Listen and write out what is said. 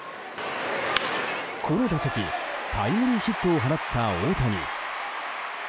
この打席タイムリーヒットを放った大谷。